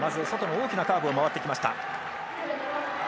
外の大きなカーブを曲がってきました。